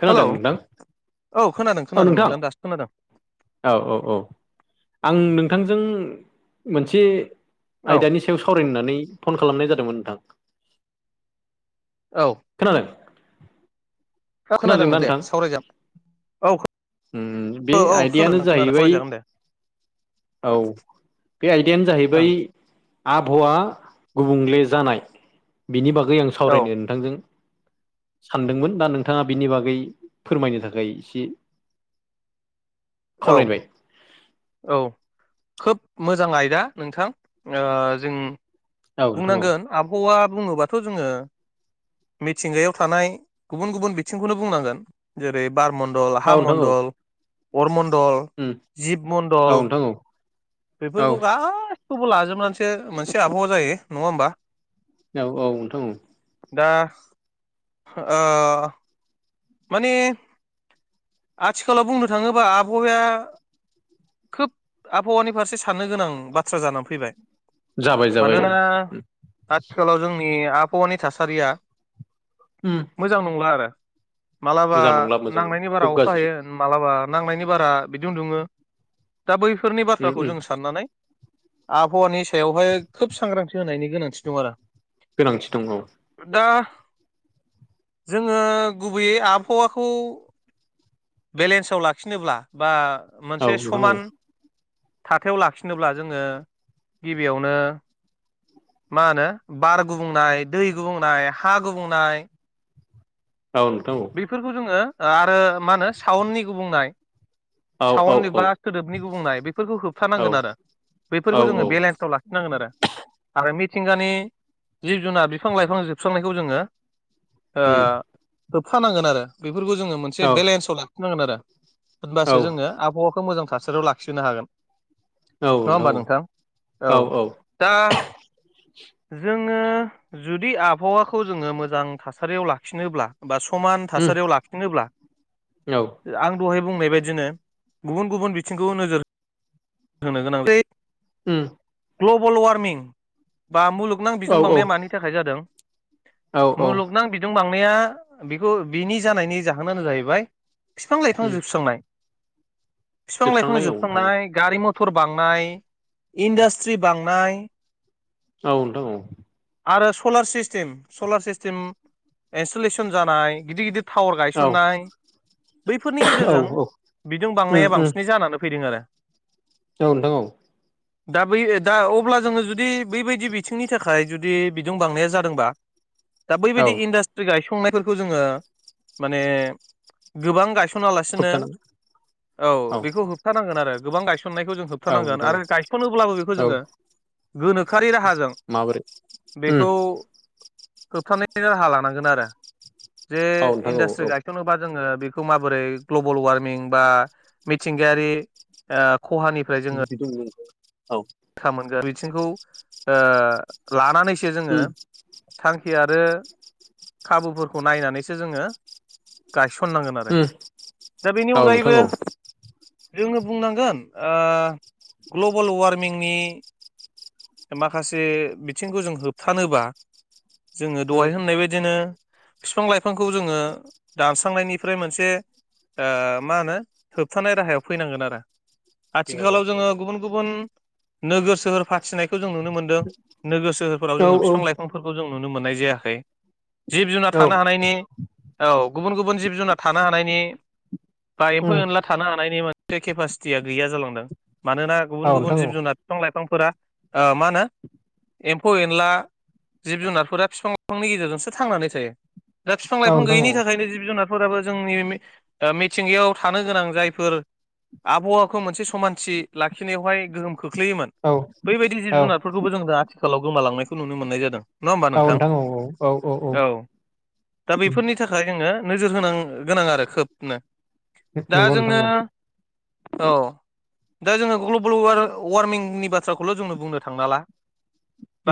खोनादों हेलौ नोंथां औ खोनादों खोनादों नोंथां दासो खोनादों औ औ औ आं नोंथांजों मोनसे औ आयदानि सा याव सावरायनो होननानै फन खालामनाय जादोंमोन नोंथां औ खोनादों फा खोनादोंना खोनादों दे नोंथां सावरायजा बे आयदायानो खोनादों खोनादों जाहैबाय सावरायजागोन दे औ बे आयदायानो ओं जाहैबाय आबहावा गुबुंले जानाय बिनि बागै आं औ सावरायनो नोंथांजों सानदोंमोन दा नों नोंथाङा बिनि बागै फोरमायनो थाखाय एसे औ खावलायबाय औ खोब मोजां आयदा नोंथां जों औ नोंथां औ बुंनांगोन आबहावा बुङोबाथ' जोङो मिथिंगायाव थानाय गुबुन गुबुन बिथिंखौनो बुंनांगोन जेरै बार मण्डल हा मण्डल अर मण्डल उ औ नोंथां औ औ बेफोरखौ गासैखौबो लाजोबनानैसो मोनसे आबहावा जायो नङा होमबा औ औ नोंथां दा ओ माने आथिखालाव बुंनो थाङोब्ला आबहावाया खोब आबहावानि फारसे साननो गोनां बाथ्रा जानानै फैबाय जाबाय जाबाय औ मानोना आथिखालाव जोंनि आबहावानि थासारिया उम मोजां नंला आरो माबलाबा मोजां नंला मोजां नांनायनि खोब बाराव गाज्रि मालाबा नांनायनि बारा बिदि उन्दुङो दा बैफोरनि उम बाथ्राखौ उम जों साननानै आबहावानि सायावहाय खोब सांग्रांथि होनायनि गोनांथि दं आरो गोनांथि दङ दा जोङो गुबैयै आबहावाखौ बेलेन्सआव लाखिनोब्ला बा औ मोनसे नोंथां समान थाथायाव लाखिनोब्ला जोङो गिबियावनो मा होनो बार गुबुंनाय दै गुबुंनाय हा गुबुंनाय औ नोंथां औ बेफोरखौ जोङो आरो मा होनो साउन्नि गुबुंनाय औ औ साउन्ड एबा खोदोबनि गुबुंनाय बेफोरखौ औ होबथानांगोन आरो औ बेफोरखौ औ जोङो बेलेन्सआव लाखिनांगोन आरो आरो मिथिंगानि जिब जुनार बिफां लाइफां जोबस्रांनायखौ जोङो ओ उम होबफानांगोन आरो बेफोरखौ जोङो मोनसे औ बेलेन्साव लाखिनांगोन आरो औ होनबासो जोङो आबहावाखौ मोजां थासारियाव लाखिो हागोन नङा होमबा नोंथां औ दा जोङो जुदि आबहावाखौ जोङो मोजां थासारियाव लाखिनोब्ला बा समान उम थासारियाव लाखिनोब्ला औ आं दहाय बुंनाय बायदिनो गुबुन गुबुन बिथिंखौ नोजोर होननो गोनां उम ग्लबेल वार्मिं बा मुलुगनां बिजों औ औ बांनाया मानि थाखाय जादों औ औ मुलुगनां बिदुं बांनाया बेखौ बिनि जानायनि जाहोनानो जाहैबाय बिफां लाइफां उम जोबस्रांनाय बिफां लाइफां जोबस्रांनाय औ नोंथां जोबस्रांनाय गारि मथर बांनाय इन्डास्ट्रि बांनाय औ नोंथां औ आरो solar system solar system installation जानाय गिदिर गिदिर टावार गायसननाय बैफोरनि औ गेजेरजों औ बिदों बांनाया उम उम बांसिनै जानानै फैदों आरो औ नोंथां औ दा बै दा अब्ला जोङो जुदि बैबायदि बिथिंनि थाखाय जुदि बिदुं बांनाया जादोंबा दा औ बैबायदि इास्ट्रि गाय संनायफोरखौ जोङो माने गोबां गायसन लानो होबथानांगोन औ हथांग गाय यसननायखौ जों औ होबथानांगोन नोंथां आरो गायस'नोब्लाबो बेखौ औ औ जोङो गोनोखोआरि राहाजों माबोरै उम बेखौ होबथानायनिनो राहा लानांगोन आरो जे औ नोंथां औ इन्डास्ट्रि औ गायस'नोबा जोङो बे माबोरै ग्लबेल वारमिं बा मिथिंगायारि खहानि औ मोनगोन बिथिंखौ लानानैसो जोङो उम थांखि आरो खाबुफोरखौ नायनानैसो जोङो गायसननांगोन आरो दा बेनि औ नोंथां अनगायैबो औ जोंङनो बुंनांगोन ग्लबेल वार्मिं फारमिंनि माखासे बिथिंखौ जों होबथानोबा जोङो उम दहाय होननाय बदिनो बिफां लाइफांखौ जोङो दानस्रांनायनिफ्राय मोनसे मा होनो होबथानाय राहायाव फैनांगोन आरो फैनांगोन आथिखालाव जोङो गुबुन गुबुन नोगोर सोहोर फाथिनायखौ जों नुनो मोन्दों नोगोर सोहोरफोराव औ जोङो फफां लाइफां। बिफांफोरखौ जों नुनो मोननाय जायाखै जिब जुनार थानो हानायनि। औ गुबुन गुबुन जिब जुनार थानो हानायनि बा उम एम्फौ-एनला थानो हानायनि मोनसे केपासिटिया गैया जालांदों मानोना गुबुन औ गुबुन नोंथां औ जिब-जुनार बिफां लाइफांफोरा मा होनो। एम्फौ एनला जिब जुनारफोरा बिफां लाइफांनि गेजेरजोंसो थांनानै थायो। दा बिफ औ लाइफां नोंथां गैयिनि थाखायनो जिब-जुनार फोराबो जोंनि मिथिंगायाव थानो गोनां जायफोर आबहावाखौ मोनसे समानथि लाखिनायावहाय गोहोम। खोख्लैयोमोन औ बैबायदि जिब औ जुनारफोरखौबो जों आथिखालाव गोमालांनायखौ नुनो मोननाय जादों। नङा होमबा नोंथां औ दा उम बेफोरनि। नि थाखाय जोङो नोजोर होन गोनां आरो खोबनो दा नंगौ नोंथां जोङो। औ औ दा जोङो ग्लबेल वार वारमिंनि बाथ्राखौल' जोंनो बुंनो थांना ला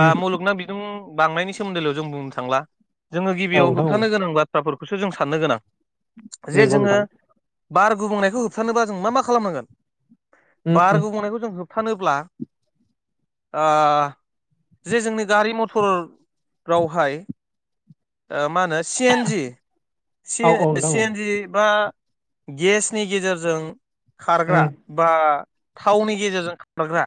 बा मुलुगनां जों बांनायनि सोमोन्दैल' जों बुंनो थांला जोङो औ गिबियाव नोंथां औ होबथानो गोनांब्ला। बाथ्राफोरखौसो जों साननो गोनां जे नंगौ जोङो। नोंथां बार गुबुंनायखौ होबथारनोबा जों मा मा खालामनांगोन उम बार उम गुबुंनायखौ जों होब बथानोब्ला जे जोंनि गारि मथर रावहाय मा होनो सि एन जि सि औ औ नोंथां सि औ एनजि बा गेसनि गेजेरजों खारग्रा उम बा थावनि गेजेरजों खग्रा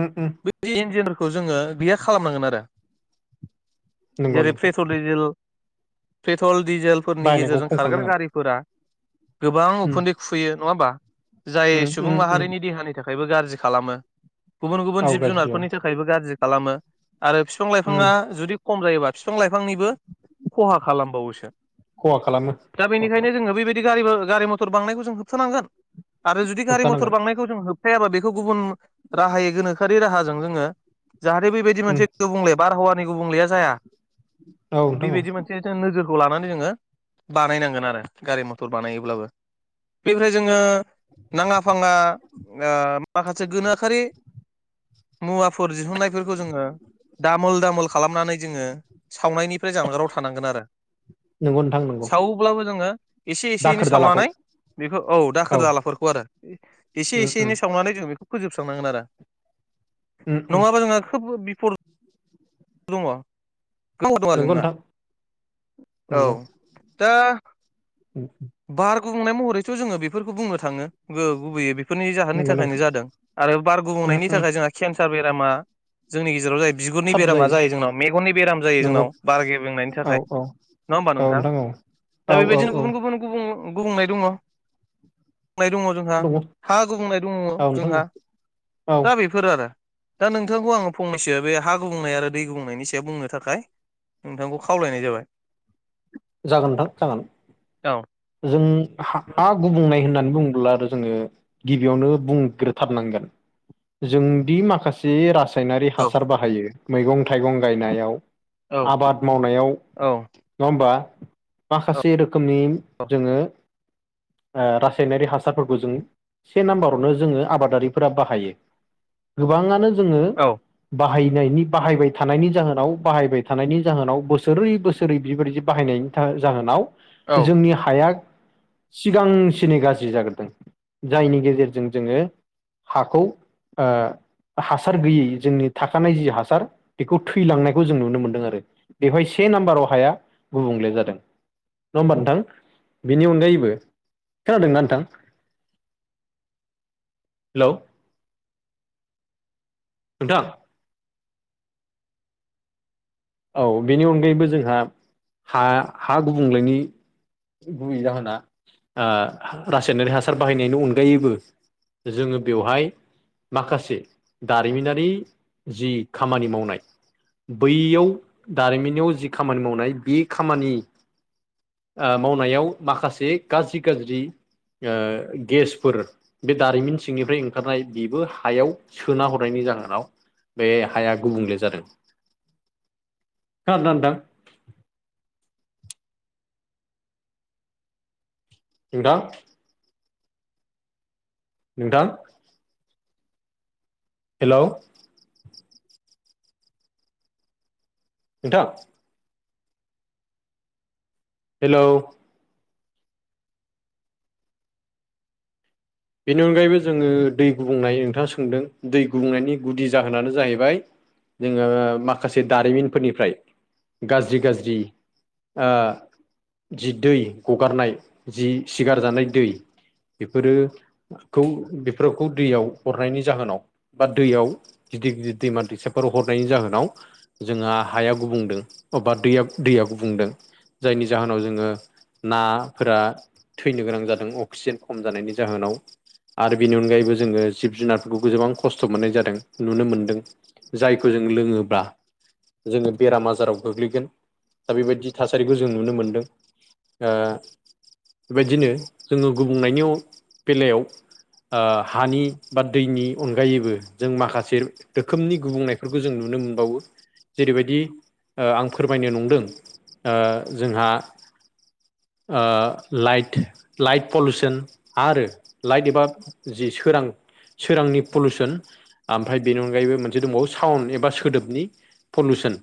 ओ ओ। बे इन्जिनिखौ जोङो बियो खालामनांगोन आरो। नंगौ जेरै नोंथां पेट्रल िजेल पेट्रल डिजेल। फोरनि बायनायखौ गेजेरजों खम खारगोन खालामनांगोन गारि फोर गोबां उखुन्दै खुबैयो नङा होमबा जाय उम उम सुबुं उम उम माहारिनि देहानि। थाखायबो गाज्रि खालामो गुबुन गुबुन औ जिब गाज्रि औ जुनारफोरनि थाखायबो गाज्रि खालामो। आरो बिफां उम लाइफाङा जुदि खम जायोबा बिफां लाइफांनिबो खहा खालामबावोसो। खहा खालामनो। दा बेनिखायनो जोङो बेबायदि ग गारि मथर बांनायखौ जों होबथानांगोन आरो जुदि गारि मथर होबथानांगोन बांनाय जों होबथायाबा बेखौ गुबुन राहायै गोनोखोआि राहाजों जोङो। जाहाथे बेबायदि उम मोनसे गुबुंले बारहावानि गुबुंलेया जाया औ नोंथां औ बेबायदि मोनसे। जों नोजोरखौ लानानै जोङो बानायनांगोन आरो गारि मथर बानायोब्लाबो। बेफ्राय जोङो नाङा फाङा माखासे गोनोखोआरि मुवाफोर दिहुननायफोरखौ जोङो दामोल दामोल खालामनानै जोङो। सावनायनिफ्राय जानगाराव थानांगोन आरो। नोंगौ नोंथां। नंगौ सावोब्लाबो जोङो एसे एसे एनै दाखोर दालाखौ सावनानै बेखौ औ दाखोर दालाफोरखौ आरो। एसे उम एसे उम ज उम उम दङ गोबाव दङ आरो नंगौ नोंना नोंथां औ नंगौ दा उम। बार गुबुंनाय महरैथ' जोङो बेफोरखौ बुंनो थाङो गुबैयै बे बेफोरनि जाहोननि नंगौ थाखायनो नोंथां जादों आरो बार उम गुबुंनायनि उम थाखाय जोंहा केन्सार बेरामा जोंनि गेजेराव जायो बिगुरनि बेरामा जायो जोंनाव मेगननि बेराम जायो नंगौ जोंनाव बारगे लोंनायनि औ थाखाय। नङा होमबा औ नोंथां औ। दा औ औ बेबायदिनो औ गुबुन गुबुन गुब गुबुंनाय दङ दङ। जोंहा नंगौ हा गुबुंनाय दङ औ नोंथां औ जोंहा औ दा बे। फोर आरो दा नोंथांखौ आङो फंनैसो बे हा गुबुंनाय आरो दै गुबुंनायनि सायाव बुंनो थाखाय नोंथांखौ खावलायनाय जाबाय जागोनथां जागोन औ जों हा गुबनो नाय होननानै बुङोब्ला आरो जोङो गिबियावनो बुंग्रोथारनांगोन। जोंदि माखासे रासायनारि औ हासार बाहायो मैगं थाइगं गायनायाव औ आबाद मावनायाव औ नङा होमबा माखासे रोखोमनि जोङो रासायनारि हासारफोरखौ जों से नाम्बारावनो जोङो आबादारिफोरा बाहायो गोबाङानो जोङो औ औ बाहायनायनि बाहायबाय थानायनि जाहोनाव बाहायबाय थानायनि जाहोनाव बोसोरै बोसोरै बेबायदि बाहायनायनि जाहोनाव औ जोंनि हाया सिगांसिनै गाज्रि जाग्रोदों जायनि गेजेरजों जोङो हाखौ हासार गैयै जोंनि थाखानाय जि हासार बेखौ थैलांनायखौ जों नुनो मोनदों आरो बेवहाय से नाम्बाराव हाया गुबुंले जादों। नङा होमबा नोंथां? बेनि अनगायैबो खोनादोंना नोंथां? हेलौ। नोंथां। औ बेनि अनगायैबो जोंहा हा हा गुबुंलेनि गुबै जाहोना रासायनारि हासार बाहायनायनि अनगायैबो जोङो बेवहाय माखासे दारिमिनारि जि खामानि मावनाय बैयाव दारिमिनयाव जि खामानि मावनाय बे खामानि मावनायाव माखासे गाज्रि गाज्रि गेसफोर बे दारिमिन सिंनिफ्राय ओंखारनाय बेबो हायाव सोना हरनायनि जाहोनाव बे हाया गुबुंले जादों। ग द दा [unintelligible] एदा [unintelligible] नोंथां। हेलौ। नोंथां। हेलौ। बेनि अनगायैबो जोङो दै गुबुंनाय नोंथाङा सोंदों दै गुबुंनायनि गुदि जाहोनानो जाहैबाय। जोङो माखासे दारिमिनफोरनिफ्राय गाज्रि गाज्रि [inaudible] जि दै गगारनाय जि सिगार जानाय दै बेफोरो खौ बेफोरखौ दैयाव हरनायनि जाहोनाव बा दैयाव गिदिर गिदिर दैमा दैसाफोराव हरनायनि जाहोनाव जोंहा हाया गुबुंदों बबा दैया दैया गुबुंदों। जायनि जाहोनाव जोङो नाफोरा थैनो गोनां जादों अक्सिजेन खम जानायनि जाहोनाव आरो बेनि अनगायैबो जोङो जिब जुनारफोरखौबो गोबां खस्थ' मोननाय जादों नुनो मोनदों। जायखौ जों लोङोब्ला जोङो बेराम आजाराव गोग्लैगोन दा बेबायदि थासारिखौ जों नुनो मोनदों। बेबायदिनो जोङो गुबुंनायनि बेलायाव हानि बा दैनि अनगायैबो जों माखासे रोखोमनि गुबुंनायफोरखौ जों नुनो मोनबावो जेरैबायदि आं फोरमायनो नंदों जोंहा लाइट लाइट पलिुसन आरो लाइट एबा जि सोरां सोरांनि पलिउसन ओमफ्राय बेनि अनगायैबो मोनसे दंबावो साउन्ड एबा सोदोबनि पलुसन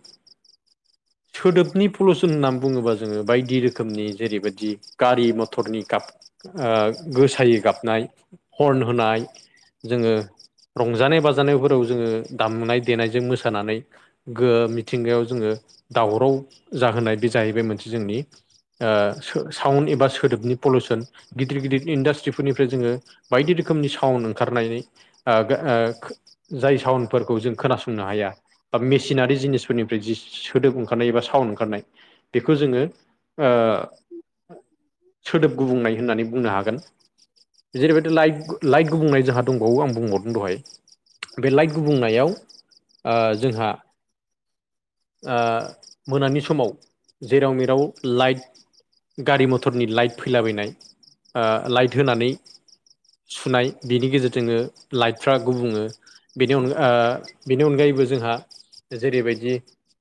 सोदोबनि पलुसन होननानै बुङोबा जोङो बायदि रोखोमनि जेरैबायदि गारि मथरनि गाब ओ गोसायै गाबनाय हर्न होनाय। जोङो रंजानाय बाजानायफोराव जोङो दामनाय देनायजों मोसानानै गो मिथिंगायाव जोङो दावराव जाहोनाय बे जाहैबाय मोनसे जोंनि ओ सो साउन्ड एबा सोदोबनि पलिउसन गिदिर गिदिर इन्डास्ट्रिफोरनि जोङो बायदि रोखोमनि साउन्ड ओंखारनानै ओ ओ जाय साावन्डफोरखौ जों खोनासंनो हाया बा मेसिनारि जिनिसफोरनिफ्राय जि सोदोब ओंखारनाय एबा साउन्ड ओंखारनाय बेखौ जोङो ओ सोदोब गुबुंनाय होननानै बुंनो हागोन। जेरैबायदि लाइट लाइट गुबुंनाय जोंहा दंबावो आं बुंबावदों दहाय बे लाइट गुबुंनायाव ओ जोंहा ओ मोनानि समाव जेराव मेराव लाइट गारि मथरनि लाइट फैलाबायनाय ओ लाइट होनानै सुनाय बेनि गेजेरजोंनो लाइटफ्रा गुबुङो बेनि अन ओ बेनि अनगायैबो जोंहा जेरैबायदि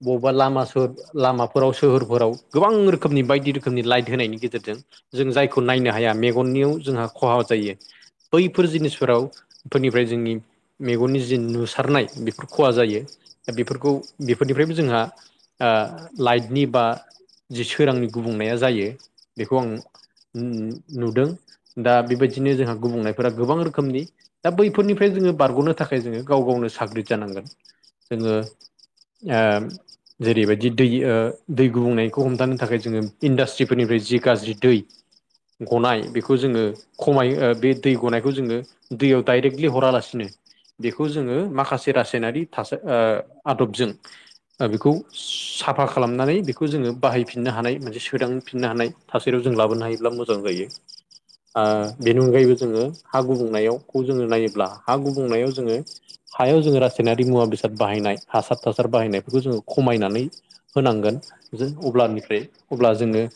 बबेबा लामा स लामाफोराव सोहोरफोराव गोबां रोखोमनि बायदि रोखोमनि लाइट होनायनि गेजेरजों। जों जायखौ नायनो हाया मेगननियाव जोंहा खहा जायो बैफोर जिनिसफोराव फोरनिफ्राय जोंनि मेगननि जि नुसारनाय बेफोर खहा जायो। दा बेफोरखौ बेफोरनिफ्रायबो जोंहा ओ लाइटनि बा जि सोरांनि गुबुंनाया जायो बेखौ आं उम नुदों। दा बेबायदिनो जोंहा गुबुंनायफोरा गोबां रोखोमनि दा बैफोरनिफ्राय जोङो बारग'नो थाखाय जोङो गाव गावनो साग्रिद जानांगोन जोङो ओ जेरैबायदि दै ओ दै गुबुंनायखौ हमथानो थाखाय जोङो इन्डास्ट्रिफोरनिफ्राय जि गाज्रि दै गनाय बेखौ जोङो खमायो ओ बे दै गनायखौ जोङो दैयाव डाइरेक्टलि हरालासिनो बेखौ जोङो माखासे रासायनारि थासारि ओ आदबजों ओ बेखौ साफा खालामनानै बेखौ जोङो बाहायफिननो हानाय मोनसे सोदांफिननो हानाय। थासारियाव जों लाबोनो हायोब्ला मोजां जायो। ओ बेनि अनगायैबो जोङो हा गुबुंनायावखौ जोङो नायोब्ला हा गुबुंनायाव जोङो। हायाव जोङो रासायनारि मुवा बेसाद बाहायनाय हासार थासार बाहायनायफोरखौ जोङो खमायनानै। होनांगोन जों अब्लानिफ्राय अब्ला जोङो।